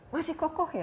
masih kokoh ya